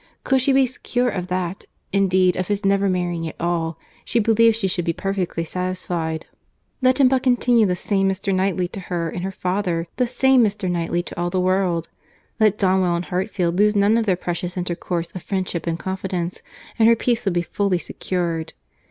Could she be secure of that, indeed, of his never marrying at all, she believed she should be perfectly satisfied.—Let him but continue the same Mr. Knightley to her and her father, the same Mr. Knightley to all the world; let Donwell and Hartfield lose none of their precious intercourse of friendship and confidence, and her peace would be fully secured.